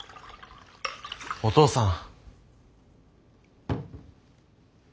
お父さん。